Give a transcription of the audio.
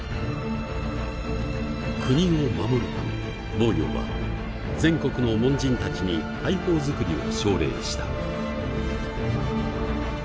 国を守るため亡羊は全国の門人たちに大砲づくりを奨励した。